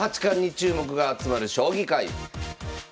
注目が集まる将棋界。